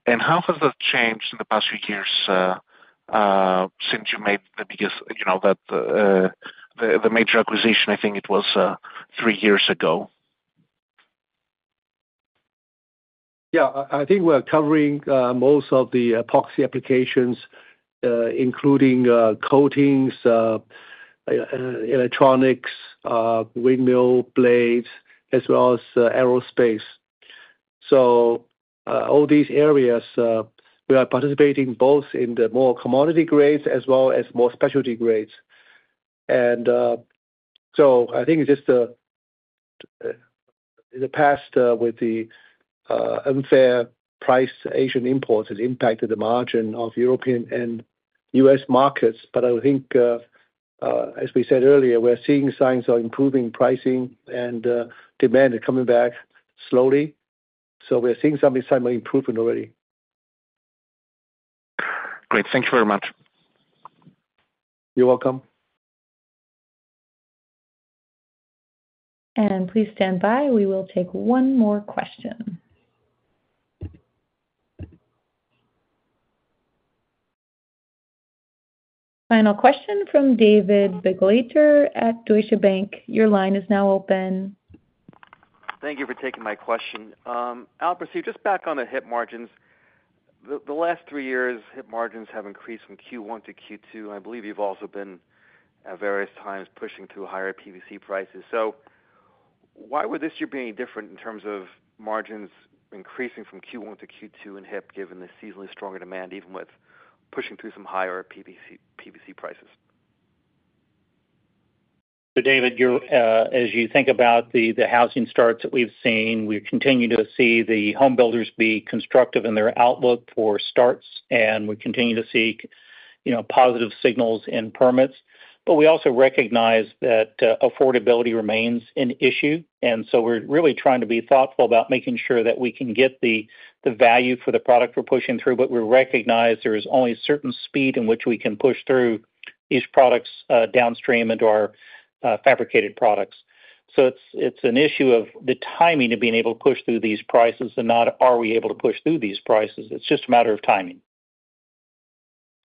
and how has that changed in the past few years since you made the biggest, you know, the major acquisition, I think it was three years ago? Yeah, I think we're covering most of the epoxy applications, including coatings, electronics, windmill blades, as well as aerospace. So, all these areas, we are participating both in the more commodity grades as well as more specialty grades. And, so I think just in the past, with the unfair price, Asian imports has impacted the margin of European and U.S. markets. But I think, as we said earlier, we're seeing signs of improving pricing and demand are coming back slowly. So we're seeing some sign of improvement already. Great. Thank you very much. You're welcome. Please stand by, we will take one more question. Final question from David Begleiter at Deutsche Bank. Your line is now open. Thank you for taking my question. Albert, so just back on the HIP margins. The last three years, HIP margins have increased from Q1 to Q2, and I believe you've also been at various times pushing through higher PVC prices. So why would this year be any different in terms of margins increasing from Q1 to Q2 in HIP, given the seasonally stronger demand, even with pushing through some higher PVC prices? So David, you're as you think about the housing starts that we've seen, we continue to see the homebuilders be constructive in their outlook for starts, and we continue to see, you know, positive signals in permits. But we also recognize that affordability remains an issue, and so we're really trying to be thoughtful about making sure that we can get the value for the product we're pushing through. But we recognize there is only a certain speed in which we can push through these products downstream into our fabricated products. So it's an issue of the timing of being able to push through these prices and not are we able to push through these prices? It's just a matter of timing.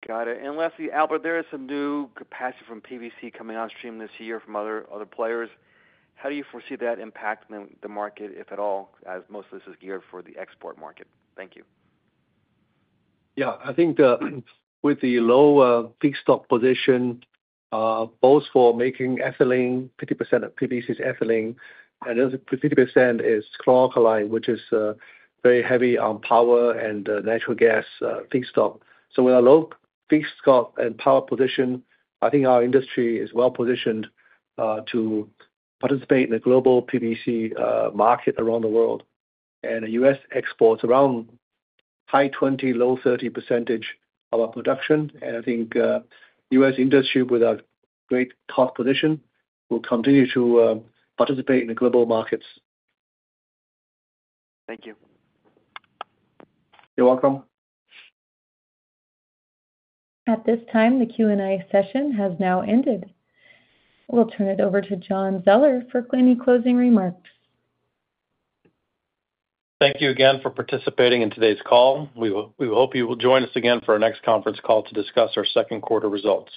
Got it. Lastly, Albert, there is some new capacity from PVC coming on stream this year from other players. How do you foresee that impacting the market, if at all, as most of this is geared for the export market? Thank you. Yeah, I think the, with the low feedstock position, both for making ethylene, 50% of PVC is ethylene, and another 50% is chlor-alkali, which is very heavy on power and natural gas feedstock. So with a low feedstock and power position, I think our industry is well positioned to participate in the global PVC market around the world. And U.S. exports around high 20s-low 30s% of our production, and I think U.S. industry, with our great cost position, will continue to participate in the global markets. Thank you. You're welcome. At this time, the Q&A session has now ended. We'll turn it over to John Zoeller for any closing remarks. Thank you again for participating in today's call. We hope you will join us again for our next conference call to discuss our second quarter results.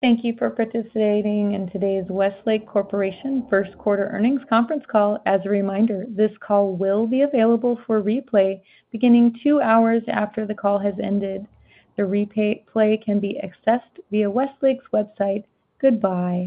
Thank you for participating in today's Westlake Corporation first quarter earnings conference call. As a reminder, this call will be available for replay beginning two hours after the call has ended. The replay can be accessed via Westlake's website. Goodbye.